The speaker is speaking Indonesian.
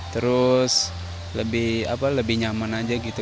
terus lebih nyaman aja gitu